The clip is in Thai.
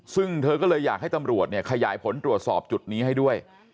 ซึ่งเธอก็เลยอยากให้ตำรวจเนี่ยขยายผลตรวจสอบจุดนี้ให้ด้วย